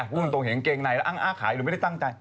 พูดตรงเห็นเกงในแล้วอ้างอ้าขายหรือไม่ได้ตั้งใจ